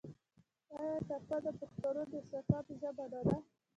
آیا ټپه د پښتو د احساساتو ژبه نه ده؟